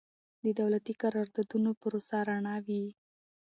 د دولتي قراردادونو پروسه رڼه وي.